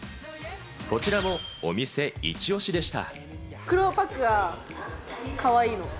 こちらもお店イチオシでした。